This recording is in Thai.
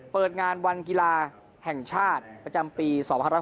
เปิดงานวันกีฬาแห่งชาติประจำปี๒๕๖๒